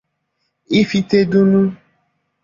Ifitedunu